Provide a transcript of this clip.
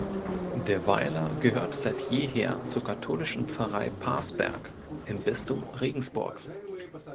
Der Weiler gehört seit jeher zur katholischen Pfarrei Parsberg im Bistum Regensburg.